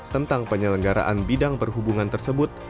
tentang penyelenggaraan bidang perhubungan tersebut